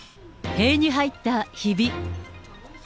塀に入ったひび。